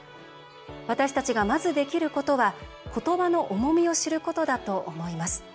私たちが、まず、できることは言葉の重みを知ることだと思います。